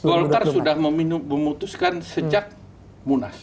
golkar sudah memutuskan sejak munas